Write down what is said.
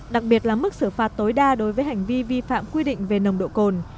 đặc biệt là mức xử phạt tối đa đối với hành vi vi phạm quy định về nồng độ cồn